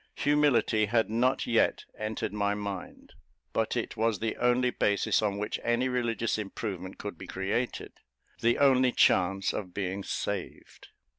Humility had not yet entered my mind; but it was the only basis on which any religious improvement could be created the only chance of being saved.